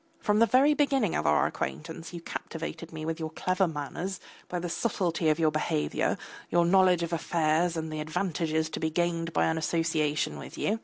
From the very beginning of our acquaintance you captivated me by your clever manners, by the subtlety of your behaviour, your knowledge of affairs and the advantages to be gained by association with you.